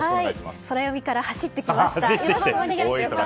ソラよみから走ってきました。